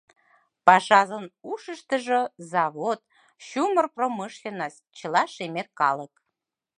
Пашазын ушыштыжо — завод, чумыр промышленность, чыла шемер калык.